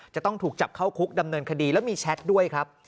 จะต้องถูกจับเข้าคุกดำเนินคดีแล้วมีแชทด้วยครับ